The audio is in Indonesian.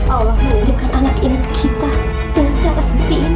allah menyediakan anak ini ke kita dengan cara sentih ini